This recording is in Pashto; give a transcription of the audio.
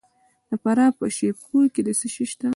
د فراه په شیب کوه کې څه شی شته؟